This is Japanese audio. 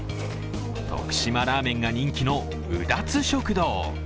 徳島ラーメンが人気のうだつ食堂。